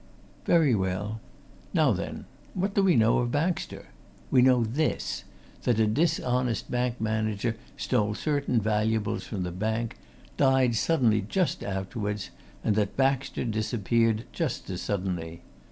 Very well now then, what do we know of Baxter? We know this that a dishonest bank manager stole certain valuables from the bank, died suddenly just afterwards, and that Baxter disappeared just as suddenly.